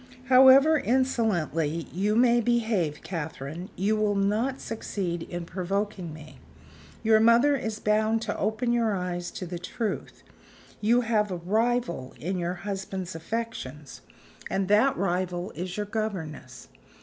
"However insolently you may behave, Catherine, you will not succeed in provoking me. Your mother is bound to open your eyes to the truth. You have a rival in your husband's affections; and that rival is your governess.